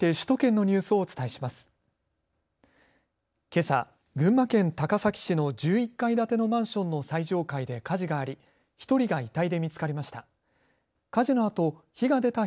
けさ群馬県高崎市の１１階建てのマンションの最上階で火事があり１人が遺体で見つかりました。